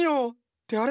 ってあれ？